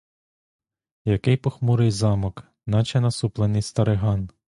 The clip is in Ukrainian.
Який похмурий замок, наче насуплений стариган!